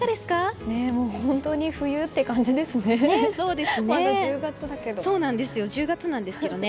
本当に冬って感じですね。